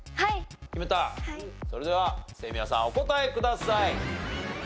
それでは清宮さんお答えください。